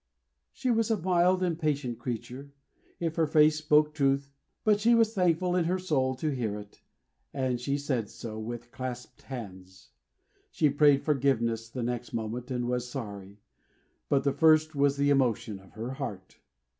She was a mild and patient creature, if her face spoke truth; but she was thankful in her soul to hear it, and she said so, with clasped hands. She prayed forgiveness the next moment, and was sorry: but the first was the emotion of her heart.